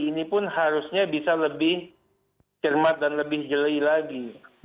ini pun harusnya bisa lebih cermat dan lebih jeli lagi